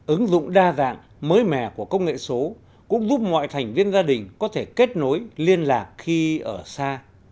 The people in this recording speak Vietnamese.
ứng dụng đa dạng mới mẻ của công nghệ số cũng giúp mọi thành viên gia đình có thể kết nối liên lạc khi ở xa